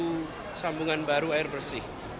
itu sambungan baru air bersih